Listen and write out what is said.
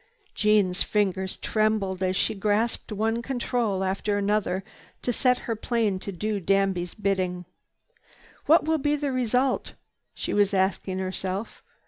Jeanne's fingers trembled as she grasped one control after another, to set her plane to do Danby's bidding. "What will be the result?" she was asking herself.